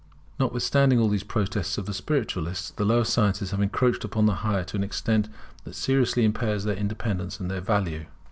Notwithstanding all the protests of the spiritualists, the lower sciences have encroached upon the higher to an extent that seriously impairs their independence and their value.